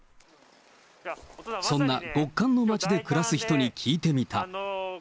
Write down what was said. そんな極寒の町で暮らす人に聞いてみた。